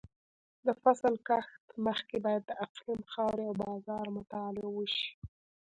د فصل کښت مخکې باید د اقلیم، خاورې او بازار مطالعه وشي.